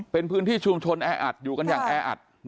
เป็นพื้นที่ชุมชนแออัดอยู่กันอย่างแออัด